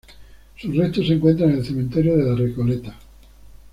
Sus restos se encuentran en el Cementerio de la Recoleta.